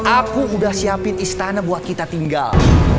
aku udah siapin istana buat kita tinggal